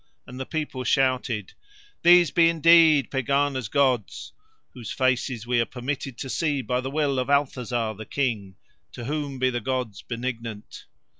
And the people shouted: "These be indeed Pegāna's gods, whose faces we are permitted to see by the will of Althazar the King, to whom be the gods benignant."